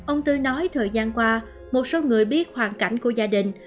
ông tư nói thời gian qua một số người biết hoàn cảnh của gia đình